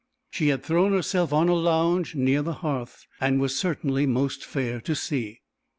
She had thrown herself on a lounge near the hearth, and was certainly most fair to see.